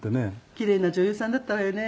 キレイな女優さんだったわよね。